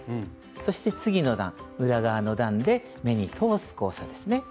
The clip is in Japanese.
そして次の段裏側の段で目に通す交差ですね。